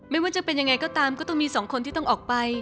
ไม่ว่าจะเป็นยังไงก็ตามก็ต้องมีสองคนที่ต้องออกไป